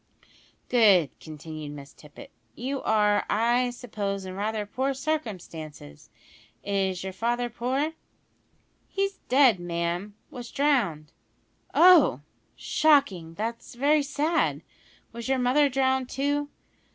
"Good," continued Miss Tippet. "You are, I suppose, in rather poor circumstances. Is your father poor?" "He's dead, ma'am; was drowned." "Oh! shocking, that's very sad. Was your mother drowned, too?"